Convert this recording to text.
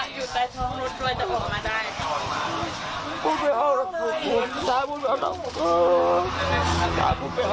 พูดไม่เอาล่ะขอบคุณค่ะพูดไม่เอาล่ะ